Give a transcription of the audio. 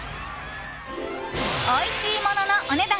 おいしいもののお値段